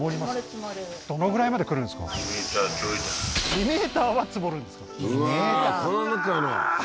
２ｍは積もるんですかうわー